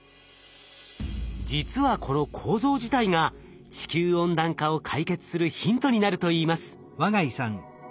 実はこの構造自体が地球温暖化を解決するヒントになるといいます。